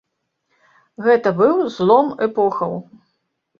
Гэта быў злом эпохаў.